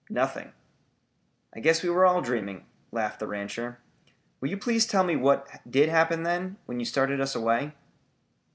"Nothing." "I guess we are all dreaming," laughed the rancher. "Will you please tell me what did happen then, when you started us away?"